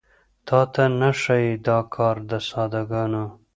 تاته نه ښايي دا کار د ساده ګانو